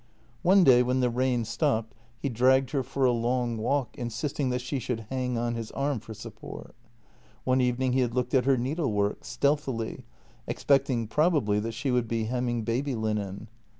One day when the rain stopped he dragged her for a long walk, insisting that she should hang on his arm for support. One evening he had looked at her needle work — stealthily — expecting probably that she would be hem ming baby linen.